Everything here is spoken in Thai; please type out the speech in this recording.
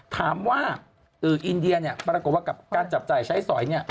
ถามว่าอืออินเดียเนี่ยปรากฏว่ากับการจับจ่ายใช้สอยเนี่ย